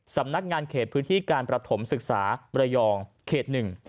สำนักงานเขตพื้นที่การประถมศึกษามรยองเขตหนึ่ง